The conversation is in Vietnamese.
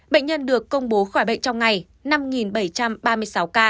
bệnh nhân được công bố khỏi bệnh trong ngày năm bảy trăm ba mươi sáu ca